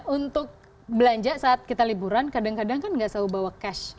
untuk belanja saat kita liburan kadang kadang kan nggak selalu bawa cash